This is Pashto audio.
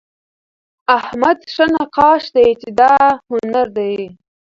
احمد ښه نقاش دئ، چي دا هنر دئ.